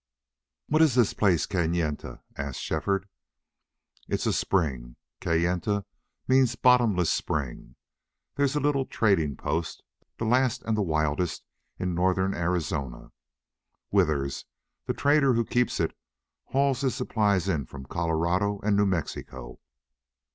"What's this place Kayenta?" asked Shefford. "It's a spring. Kayenta means Bottomless Spring. There's a little trading post, the last and the wildest in northern Arizona. Withers, the trader who keeps it, hauls his supplies in from Colorado and New Mexico.